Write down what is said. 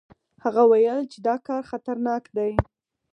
هغه ویل چې دا کار خطرناک دی.